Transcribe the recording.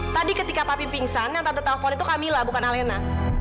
tadi ketika papi pingsan yang tante telepon itu kamila bukan alena